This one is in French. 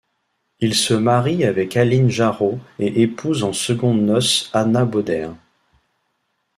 Il se marie avec Aline Jarot et épouse en secondes noces Anna Baudère.